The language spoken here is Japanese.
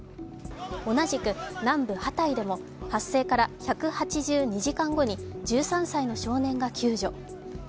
同じく南部・ハタイでも発生から１８２時間後に１３歳の少年が救助。